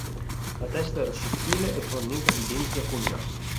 La testa era sottile e fornita di denti acuminati.